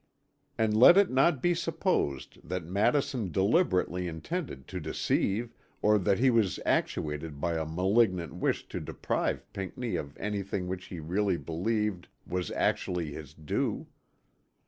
And let it not be supposed that Madison deliberately intended to deceive or that he was actuated by a malignant wish to deprive Pinckney of any thing which he really believed was actually his due.